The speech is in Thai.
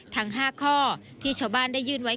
ทั้ง๕ข้อที่ชาวบ้านได้ยื่นไว้